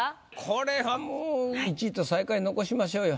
これはもう１位と最下位残しましょうよ。